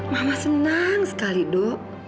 mama senang sekali do